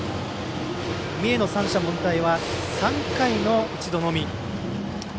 三重の三者凡退は３回の１度のみ。